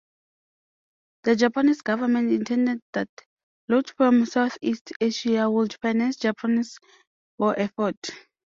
The Japanese government intended that loot from Southeast Asia would finance Japan's war effort.